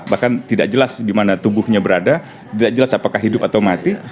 bahkan tidak jelas di mana tubuhnya berada tidak jelas apakah hidup atau mati